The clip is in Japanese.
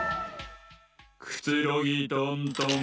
くつろぎトントン。